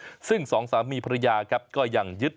ตามแนวทางศาสตร์พระราชาของในหลวงราชการที่๙